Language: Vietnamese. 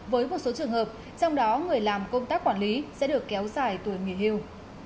với một số trường hợp trong đó người làm công tác quản lý sẽ được kéo dài tuổi nghỉ hưu